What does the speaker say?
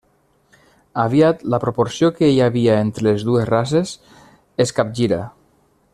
Aviat la proporció que hi havia entre les dues races es capgira.